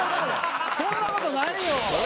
そんなことないよ。